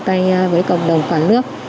trong tay với cộng đồng cả nước